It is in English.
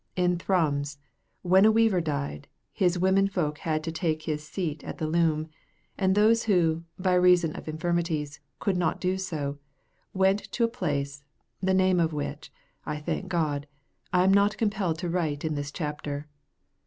In Thrums, when a weaver died, his women folk had to take his seat at the loom, and those who, by reason of infirmities, could not do so, went to a place, the name of which, I thank God, I am not compelled to write in this chapter.